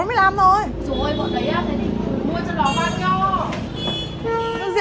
rồi bọn đấy mua cho nó văn nhau